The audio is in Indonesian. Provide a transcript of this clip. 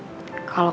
padahal gue lupa